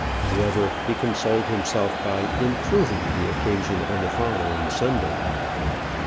However, he consoled himself by "improving" the occasion on the following Sunday.